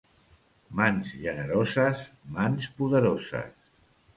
Mans generoses, mans poderoses.